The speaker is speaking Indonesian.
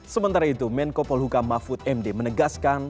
sementara itu menko polhuka mahfud md menegaskan